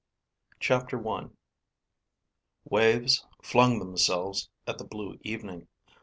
CHAPTER I Waves flung themselves at the blue evening.